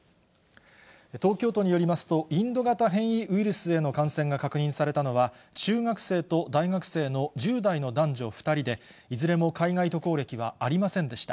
東京都によりますと、インド型変異ウイルスへの感染が確認されたのは、中学生と大学生の１０代の男女２人で、いずれも海外渡航歴はありませんでした。